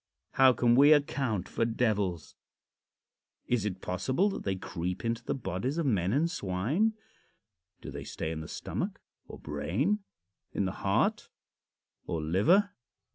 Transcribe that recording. How can we account for devils? Is it possible that they creep into the bodies of men and swine? Do they stay in the stomach or brain, in the heart or liver?